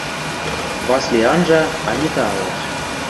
Васли анжа – Аника ылеш.